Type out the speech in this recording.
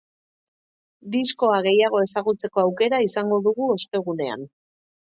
Diskoa gehiago ezagutzeko aukera izango dugu ostegunean.